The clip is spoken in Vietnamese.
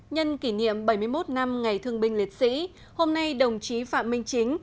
nhân kỷ niệm bảy mươi một năm ngày thương binh liệt sĩ hôm nay đồng chí phạm minh chính